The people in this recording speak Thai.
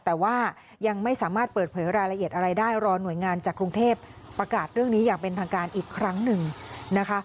แต่ว่ายังไม่สามารถเปิดเผยรายละเอียดอะไรได้รอหน่วยงานจากกรุงเทพประกาศเรื่องนี้อย่างเป็นทางการอีกครั้งหนึ่งนะคะ